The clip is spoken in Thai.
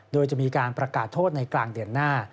โดยจะมีการประกาศโทษในกลางเดือนหน้า